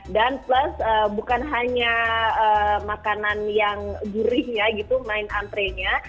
dan plus bukan hanya makanan yang gurihnya gitu main antrenya